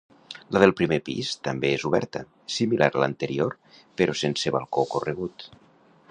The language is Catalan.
La del primer pis també és oberta, similar a l'anterior però sense balcó corregut.